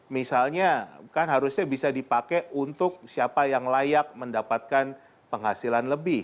misalnya kan harusnya bisa dipakai untuk siapa yang layak mendapatkan penghasilan lebih